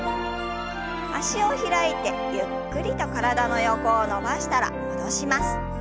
脚を開いてゆっくりと体の横を伸ばしたら戻します。